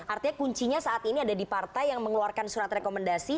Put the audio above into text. artinya kuncinya saat ini ada di partai yang mengeluarkan surat rekomendasi